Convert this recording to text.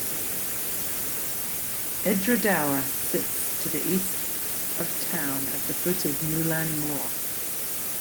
Edradour sits to the east of town at the foot of the Moulin Moor.